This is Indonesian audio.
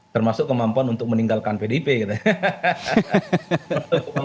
termasuk kemampuan untuk meninggalkan pdp gitu